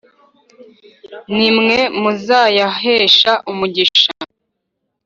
nimwe muzayahesha umugisha !